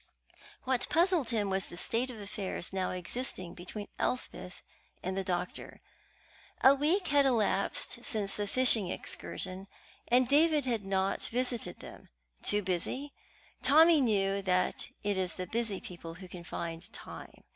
What puzzled him was the state of affairs now existing between Elspeth and the doctor. A week had elapsed since the fishing excursion, and David had not visited them. Too busy? Tommy knew that it is the busy people who can find time.